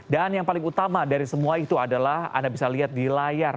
dan yang paling utama dari semua itu adalah anda bisa lihat di layar